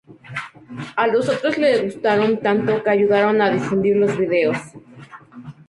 A los otros le gustaron tanto que ayudaron a difundir los vídeos.